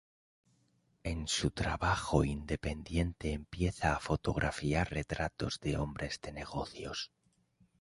En su trabajo independiente empieza a fotografiar retratos de hombres de negocios.